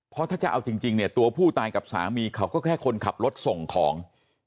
เพราะถ้าจะเอาจริงเนี่ยตัวผู้ตายกับสามีเขาก็แค่คนขับรถส่งของ